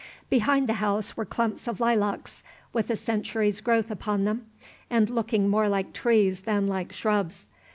Behind the house were clumps of lilacs with a century's growth upon them, and looking more like trees than like shrubs.